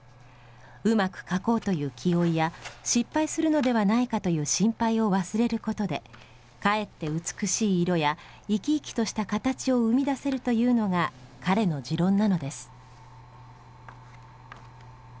うまく描こうという気負いや失敗するのではないかという心配を忘れることでかえって美しい色や生き生きとした形を生み出せるというのが彼の持論なのです。